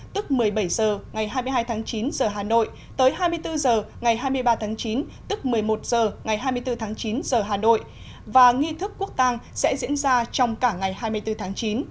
tức một mươi bảy h ngày hai mươi hai tháng chín giờ hà nội tới hai mươi bốn h ngày hai mươi ba tháng chín tức một mươi một h ngày hai mươi bốn tháng chín giờ hà nội và nghi thức quốc tàng sẽ diễn ra trong cả ngày hai mươi bốn tháng chín